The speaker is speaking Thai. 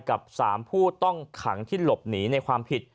กับ๓ผู้ต้องขังที่หลบหนีในความผิด